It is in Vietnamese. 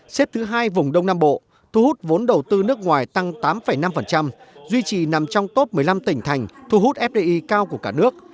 xếp thứ hai vùng đông nam bộ thu hút vốn đầu tư nước ngoài tăng tám năm duy trì nằm trong top một mươi năm tỉnh thành thu hút fdi cao của cả nước